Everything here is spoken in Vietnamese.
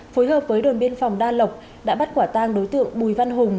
phối hợp với đồn biên phòng đa lộc đã bắt quả tang đối tượng bùi văn hùng